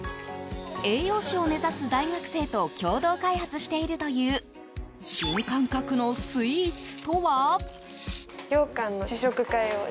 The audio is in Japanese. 栄養士を目指す大学生と共同開発しているという新感覚のスイーツとは。